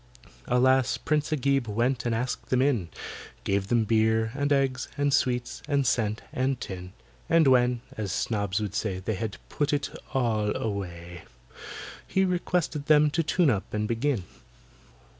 Alas! PRINCE AGIB went and asked them in; Gave them beer, and eggs, and sweets, and scent, and tin. And when (as snobs would say) They had "put it all away," He requested them to tune up and begin.